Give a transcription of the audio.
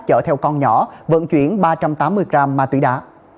chở theo con nhỏ vận chuyển ba trăm tám mươi gram ma túy đá